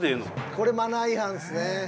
これマナー違反ですね。